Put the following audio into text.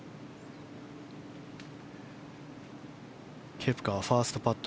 ケプカはファーストパット